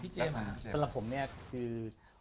สำหรับผมเนี่ย